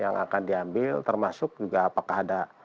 yang akan diambil termasuk juga apakah ada